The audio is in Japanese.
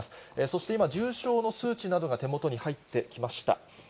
そして今、重症の数値などが手元に入ってきました。